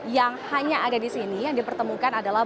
yang hanya ada di sini yang dipertemukan adalah